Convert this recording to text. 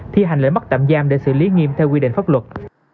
thi hành lễ mắc tạm giam để xử lý nghiêm theo quy định pháp luật